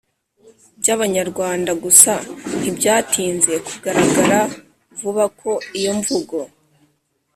by Abanyarwanda Gusa ntibyatinze kugaragara vuba ko iyo mvugo